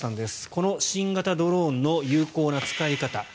この新型ドローンの有効な使い方。